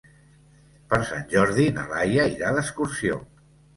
Per Sant Jordi na Laia irà d'excursió.